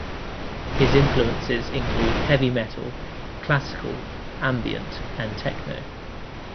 His influences include heavy metal, classical, ambient, and techno.